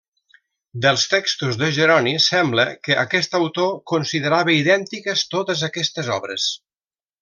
Dels textos de Jeroni, sembla que aquest autor considerava idèntiques totes aquestes obres.